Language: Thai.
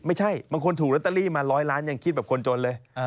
ไม่ใช่มันควรถูกรัตเตอรี่มาร้อยล้านยังคิดแบบคนโจรเลย